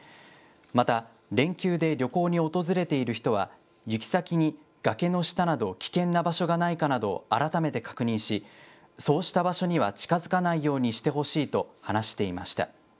また連休で旅行に訪れている人は、行き先に崖の下など、危険な場所がないかなどを改めて確認し、そうした場所には近づかないようにしてほしいと話していました。